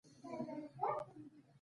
مځکه زموږ د کلتور بنیاد ده.